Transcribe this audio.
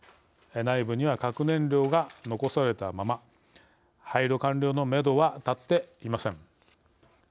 内部には核燃料が残されたまま廃炉完了のめどは立っていません。